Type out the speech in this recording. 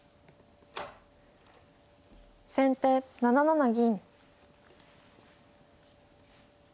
先手７七銀。